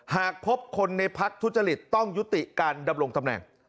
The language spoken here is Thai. หากพบคนในพักทุจริตต้องยุติการดำรงตำแหน่ง